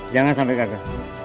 jangan sampai gagal